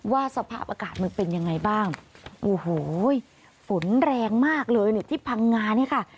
สภาพอากาศมันเป็นยังไงบ้างโอ้โหฝนแรงมากเลยเนี่ยที่พังงาเนี่ยค่ะ